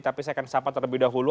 tapi saya akan sapa terlebih dahulu